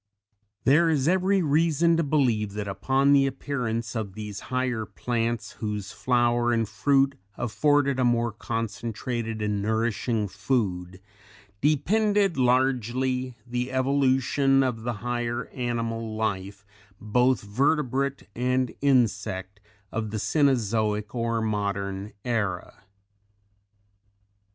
There is every reason to believe that upon the appearance of these higher plants whose flower and fruit afforded a more concentrated and nourishing food, depended largely the evolution of the higher animal life both vertebrate and insect, of the Cenozoic or modern era.